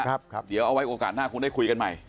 เดี๋ยวเอาไว้โอกาสหน้าคงได้คุยกันใหม่